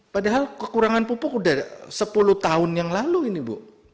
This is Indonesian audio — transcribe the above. padahal kekurangan pupuk sudah sepuluh tahun yang lalu ini bu